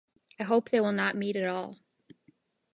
I hope they will not meet at all.